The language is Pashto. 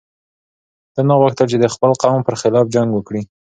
ده نه غوښتل چې د خپل قوم پر خلاف جنګ وکړي.